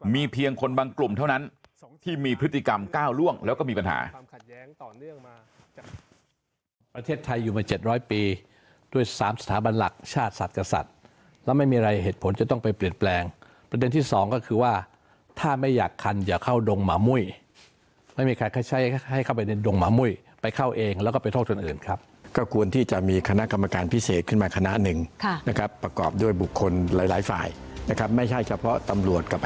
มีเพียงคนบางกลุ่มเท่านั้นที่มีพฤติกรรมก้าวล่วงแล้วก็มีปัญหา